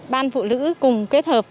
ban phụ nữ cùng kết hợp